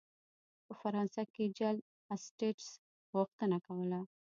په فرانسه کې جل اسټټس غوښتنه کوله.